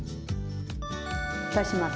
ふたします